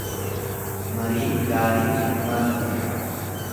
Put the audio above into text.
Mariin gaariin furmaata fida.